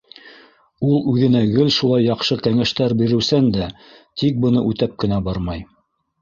Ул үҙенә гел шулай яҡшы кәңәштәр биреүсән дә, тик быны үтәп кенә бармай.